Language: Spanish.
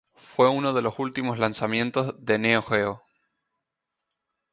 Fue uno de los últimos lanzamientos de Neo Geo.